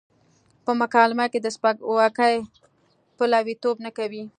په مکالمه کې د سپکاوي پلويتوب نه کوي.